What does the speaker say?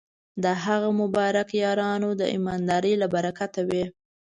د هغه مبارک یارانو د ایماندارۍ له برکته وې.